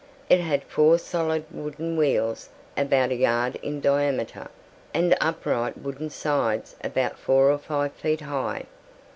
It had four solid wooden wheels about a yard in diameter, and upright wooden sides about four or five feet high.